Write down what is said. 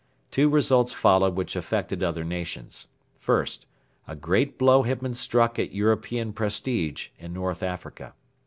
Two results followed which affected other nations. First, a great blow had been struck at European prestige in North Africa.